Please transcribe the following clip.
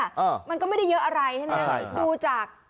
มันมันก็ไม่ได้เยอะอะไรที่ประมาณนี้